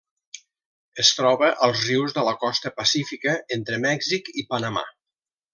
Es troba als rius de la costa pacífica entre Mèxic i Panamà.